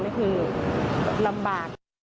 นี่คือลำบาก